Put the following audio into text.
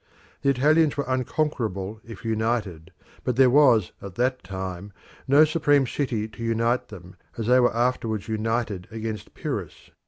The Italians were unconquerable if united, but there was at that time no supreme city to unite them as they were afterwards united against Pyrrhus.